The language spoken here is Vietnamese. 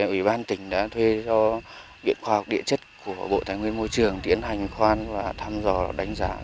ủy ban tỉnh đã thuê cho viện khoa học địa chất của bộ tài nguyên môi trường tiến hành khoan và thăm dò đánh giá